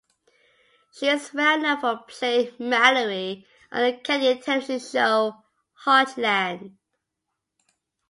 She is well known for playing Mallory on The Canadian television show "Heartland".